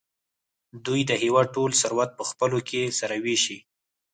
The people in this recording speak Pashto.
دوی د هېواد ټول ثروت په خپلو کې سره وېشي.